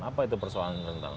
apa itu persoalan yang rentan